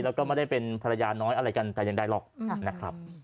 แล้วก็ไม่ได้เป็นภรรยาน้อยอะไรกันแต่อย่างใดหรอกนะครับ